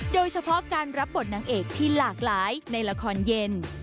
โดยเฉพาะการรับบทนางเอกที่หลากหลายในละครเย็น